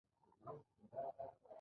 خوند اخیستل ښه دی.